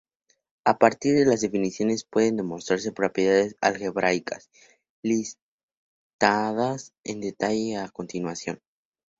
A partir de las definiciones pueden demostrarse propiedades algebraicas, listadas en detalle a continuación.